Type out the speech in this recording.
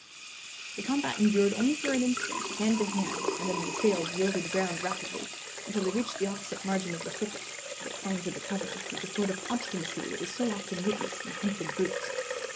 The combat endured only for an instant, hand to hand, and then the assailed yielded ground rapidly, until they reached the opposite margin of the thicket, where they clung to the cover, with the sort of obstinacy that is so often witnessed in hunted brutes.